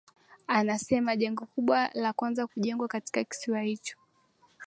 Anasema jengo kubwa la kwanza kujengwa katika kisiwa hicho